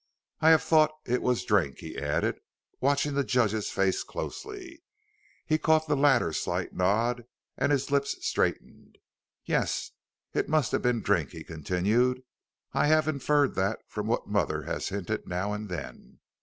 I have thought it was drink," he added, watching the judge's face closely. He caught the latter's slight nod and his lips straightened. "Yes, it must have been drink," he continued; "I have inferred that from what mother has hinted now and then.